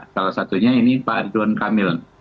salah satunya ini pak ridwan kamil